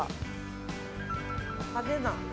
派手な。